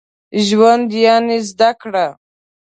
ژوند يعني زده کړه.